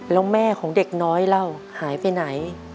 แล้วแม่ของเด็กน้อยเราหายไปไหน